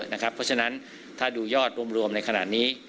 เพราะฉะนั้นถ้าดูยอดรวมในขณะนี้